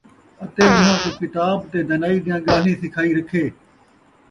اَتے اُنھاں کوں کتاب تے دانائی دِیاں ڳالھیں سکھائی رَکھے